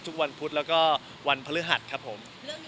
ทุกวันพุธแล้วก็วันพฤหัสครับผม